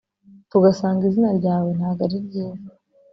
tugasanga izina ryawe ntago ari ryiza